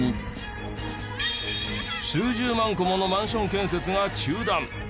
数十万戸ものマンション建設が中断。